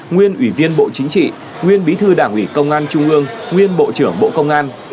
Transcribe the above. nguyên ủy viên bộ chính trị nguyên bí thư đảng ủy công an trung ương nguyên bộ trưởng bộ công an